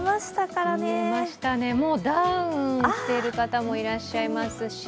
もうダウンを着てる方もいらっしゃいますし。